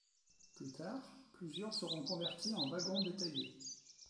Plus tard, plusieurs seront convertis en wagon bétaillers.